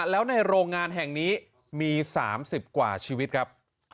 แล้วในโรงงานแห่งนี้มี๓๐กว่าชีวิตครับ